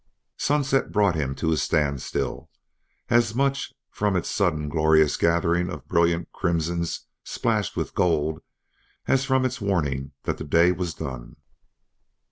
Sunset brought him to a standstill, as much from its sudden glorious gathering of brilliant crimsons splashed with gold, as from its warning that the day was done.